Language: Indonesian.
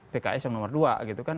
pks yang nomor dua